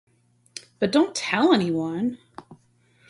But don't tell anyone!